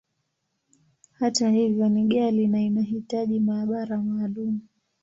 Hata hivyo, ni ghali, na inahitaji maabara maalumu.